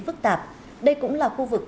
phức tạp đây cũng là khu vực